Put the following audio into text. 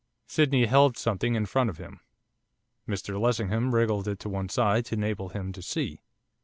Sydney held something in front of him. Mr Lessingham wriggled to one side to enable him to see.